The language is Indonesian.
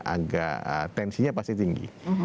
agak tensinya pasti tinggi